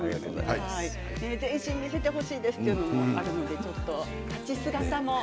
全身見せてほしいですというのもありますので立ち姿も。